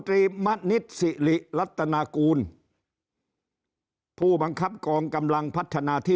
ตรีมะนิดสิริรัตนากูลผู้บังคับกองกำลังพัฒนาที่